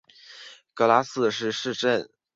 格拉塞伦巴赫是德国黑森州的一个市镇。